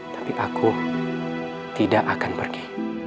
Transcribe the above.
tapi aku tidak akan pergi